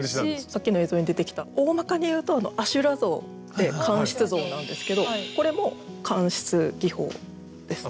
さっきの映像に出てきたおおまかに言うと阿修羅像って乾漆像なんですけどこれも乾漆技法ですね。